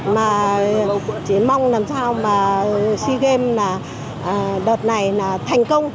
mà chỉ mong làm sao mà sea games là đợt này là thành công